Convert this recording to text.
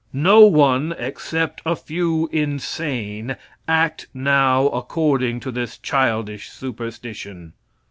No one, except a few insane, act now according to this childish superstition.